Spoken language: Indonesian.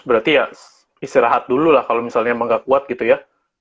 berarti ya istirahat dulu lah kalau misalnya emang gak kuat gitu ya